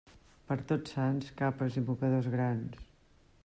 Per Tots Sants, capes i mocadors grans.